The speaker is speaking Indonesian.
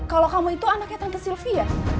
kalau kamu itu anaknya tante sylvia